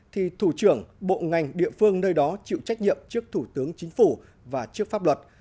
thì thủ trưởng bộ ngành địa phương nơi đó chịu trách nhiệm trước thủ tướng chính phủ và trước pháp luật